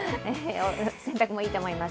洗濯もいいと思います。